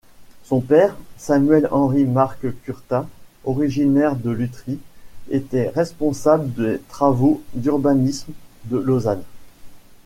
Son père, Samuel-Henri-Marc Curtat, originaire de Lutry, était responsable des travaux d'urbanisme de Lausanne.